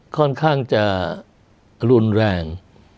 ค่อนข้างจะรุนแรง